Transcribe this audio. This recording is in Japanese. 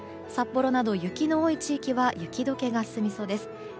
札幌など雪の多い地域は雪解けが進みそうです。